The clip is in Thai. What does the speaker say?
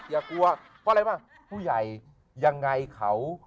เพราะอะไรปะผู้ใหญ่ยังไงเขา